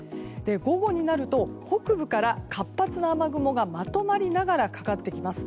午後になると北部から活発な雨雲がまとまりながらかかってきます。